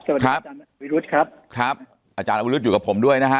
สวัสดีครับอาจารย์วิรุธครับครับอาจารย์อวรุษอยู่กับผมด้วยนะฮะ